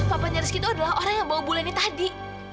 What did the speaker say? papanya rizky itu adalah orang yang bawa bulannya tadi